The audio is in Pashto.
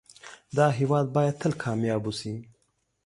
دا هيواد بايد تل کامیاب اوسی